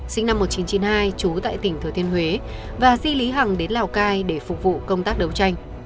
sinh năm một nghìn chín trăm chín mươi hai trú tại tỉnh thừa thiên huế và di lý hằng đến lào cai để phục vụ công tác đấu tranh